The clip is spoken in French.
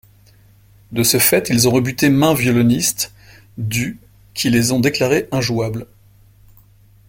De ce fait, ils ont rebuté maints violonistes du qui les ont déclarés injouables.